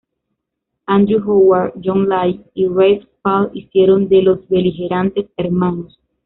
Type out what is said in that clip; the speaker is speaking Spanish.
Andrew Howard, John Light, y Rafe Spall hicieron de los beligerantes hermanos.